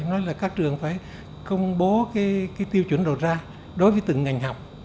nói là các trường phải công bố cái tiêu chuẩn đầu ra đối với từng ngành học